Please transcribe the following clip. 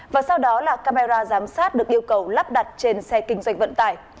và sau đó là camera giám sát được yêu cầu lắp đặt trên xe kinh doanh vận tải